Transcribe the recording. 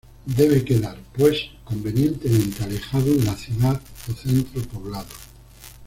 Debe quedar, pues, convenientemente alejado de la ciudad o centro poblado...